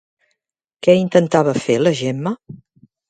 Què intentava fer la Gemma?